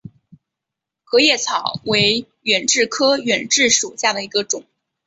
合叶草为远志科远志属下的一个种。